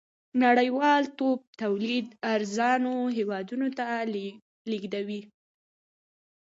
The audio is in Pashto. نړۍوالتوب تولید ارزانو هېوادونو ته لېږدوي.